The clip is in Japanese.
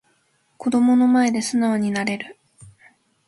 子供の前で素直になれる